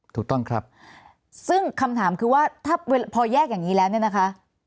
ถูกต้องครับซึ่งคำถามคือว่าถ้าพอแยกอย่างนี้แล้วเนี่ยนะคะ